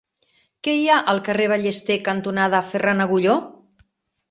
Què hi ha al carrer Ballester cantonada Ferran Agulló?